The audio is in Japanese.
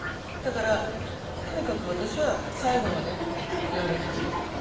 だからとにかく私は最後までやると。